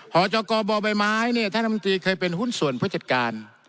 หจกบลลเนี่ยท่านอำนาจมนตรีเขาเป็นหุ้นส่วนผู้จัดการ